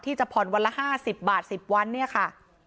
จะผ่อนวันละ๕๐บาท๑๐วันเนี่ยค่ะ